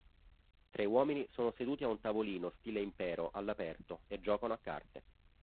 Tre uomini sono seduti a un tavolino stile impero all'aperto e giocano a carte.